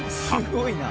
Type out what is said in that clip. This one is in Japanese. すごいな。